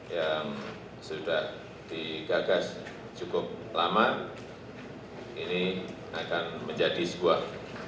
yang sudah digagas cukup lama ini akan menjadi sebuah